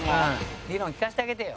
「理論聞かせてあげてよ」